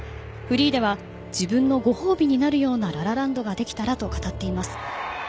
フリーでは自分のご褒美になるような「ラ・ラ・ランド」ができたらと語っています。